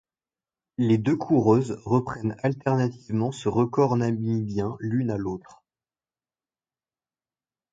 Les deux coureuses reprennent alternativement ce record namibien l'une à l'autre.